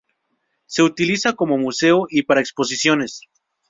Se utiliza como museo y para exposiciones.